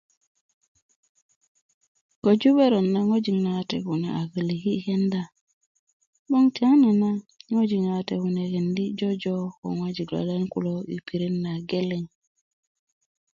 köju 'beron na ŋojik nawate kune a kölöki yi kenda 'boŋ tiyanana ŋojik nawate kune kendi jojo ko ŋojik luwaliyan kulo yi pirit nageleŋ